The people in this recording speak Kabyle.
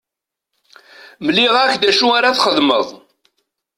Mliɣ-ak d acu ara txedmeḍ.